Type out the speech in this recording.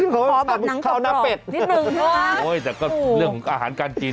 ข้อน้ำป็ดนิดหนึ่งใช่ไหมโอ้โฮแต่ก็เรื่องอาหารการจิน